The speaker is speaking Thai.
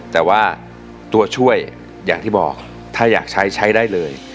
แต่ว่าตัวช่วยอย่างที่บอกถ้าอยากใช้ใช้ได้เลย